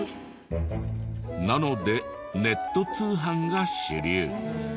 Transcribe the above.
なのでネット通販が主流。